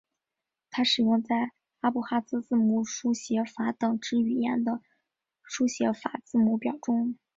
它使用在阿布哈兹字母书写法等之语言的书写法字母表中。